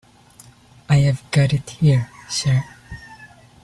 I have got it here, sir.